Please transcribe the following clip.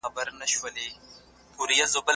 د معیوبینو لاسنیوی څنګه کیږي؟